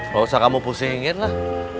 gak usah kamu pusingin lah